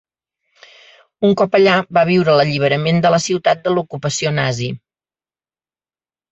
Un cop allà va viure l'alliberament de la ciutat de l'ocupació nazi.